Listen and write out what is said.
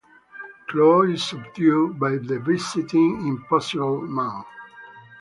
Klaw is subdued by the visiting Impossible Man.